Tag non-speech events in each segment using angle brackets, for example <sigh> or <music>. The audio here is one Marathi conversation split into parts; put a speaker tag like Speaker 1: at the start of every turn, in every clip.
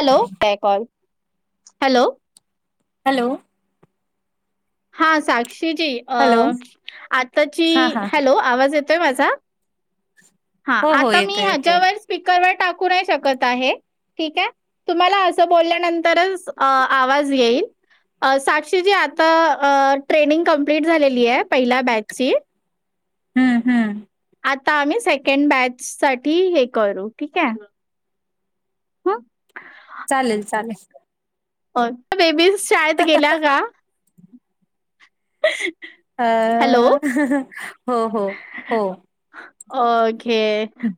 Speaker 1: Hello hello!
Speaker 2: हॅलो!
Speaker 1: हा साक्षीजी अ
Speaker 2: हॅलो
Speaker 1: आताची,
Speaker 2: हा हा
Speaker 1: हॅलो आवाज येत? येतोय माझा? हा‌
Speaker 2: हो हो येतोय
Speaker 1: मा
Speaker 2: येतोय.
Speaker 1: आता स्पिकर वर टाकतो <inaudible> ठीक आहे तुम्हाला असं बोलल्यानंतरच आवाज येईल साक्षीजी आता ट्रेनिंग कंप्लीट झालेली आहे पहिल्या बॅचची
Speaker 2: हम्म हम्म.
Speaker 1: आता आम्ही सेकंड बॅच साठी हे करू ठीके ह.
Speaker 2: चालेल चालेल.
Speaker 1: तुमच्या बेबीज शाळेत गेल्या का?
Speaker 2: अ
Speaker 1: हॅलो
Speaker 2: हो हो हो.
Speaker 1: ओके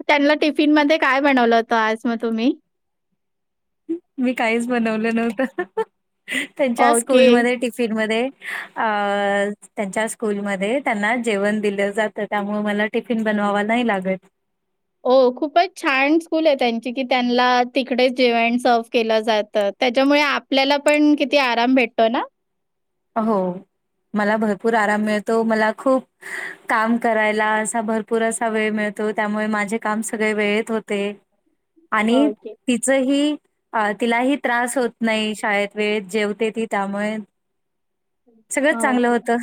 Speaker 1: त्यांना टिफिन मध्ये काय बनवलं होतं आज म तुम्ही.
Speaker 2: मी काहीच बनवलं नव्हत, त्यांच्या
Speaker 1: ओके.
Speaker 2: स्कूलमध्ये टिफिन मध्ये अ त्यांच्या स्कुल मध्ये त्यांना जेवन दिलं जात त्यामुळे मला टीफीन बन बनवावा नाही लागत.
Speaker 1: हो खूपच छान स्कूले त्यांची की त्यांना तिकडेच जेवं सर्व केलं जातात. त्याच्यामुळे आपल्याला पण किती आराम भेटतो ना.
Speaker 2: हो. मला भरपूर आराम मिळतो, मला खूप काम करायला असा भरपूर असा वेळ मिळतो. त्यामुळे माझे काम सगळे वेळेत होते. आणि
Speaker 1: ओके.
Speaker 2: तिचही तिलाही त्रास होत नाही शाळेत वेळेत जेवते ती त्यामुळे सगळं चांगलं
Speaker 1: ओके.
Speaker 2: होतं.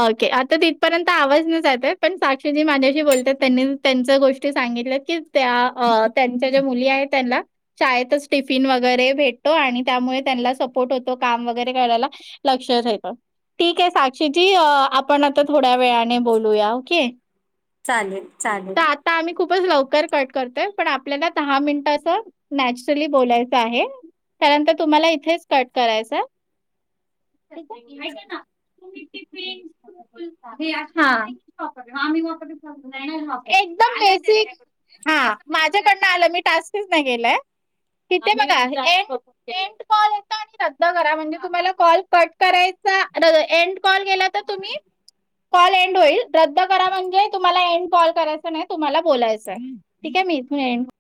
Speaker 1: ओके आता तिथपर्यंत आवाज नाही जाते पण साक्षीजी माझ्याशी बोलतात त्यांनी त्यांच गोष्टी सांगितल्या की त्या त्याच्या जा मुली आहे त्यांला शाळेतच टिफीन वगरे भेटो आणि त्या त्यामुळे त्यांना सपोर्ट होतो काम वगैरे करायला लक्ष राहत ठीके साक्षी जी आपण आता थोड्या वेळाने बोलूया ओके.
Speaker 2: चालेल चालेल.
Speaker 1: तर आता आम्ही खूपच लवकर कट करतेय पण आपल्याला दहा मिनटच नॅचरली बोलायचं आहे. त्यानंतर तुम्हाला इथेच कट करायचय. तुम्ही टिफिन हा एकदम बेसिक हा माझ्याकडनं आलं मी टास्कच नाही केलाय. तिथे बघा एंड कॉल यतो आणि बंद करा म्हणजे तुम्हाला कॉल कट कराय चा अन एंड कॉल केला त तुम्ही कॉल एंड होईल रद्द करा म्हणजे तुम्हाला एंड कॉल करायच नाही तुम्हाला बोलायचंय ठीके. मी इथून एंड